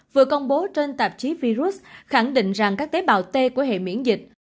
vừa công bố trên tạp chí virus khẳng định rằng các tế bào t của hệ miễn dịch